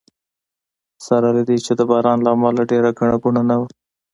سره له دې چې د باران له امله ډېره ګڼه ګوڼه نه وه.